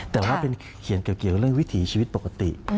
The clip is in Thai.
แต่ว่าเป็นเขียนเกี่ยวกับเรื่องวิถีชีวิตปกติ